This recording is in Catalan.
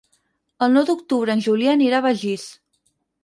El nou d'octubre en Julià anirà a Begís.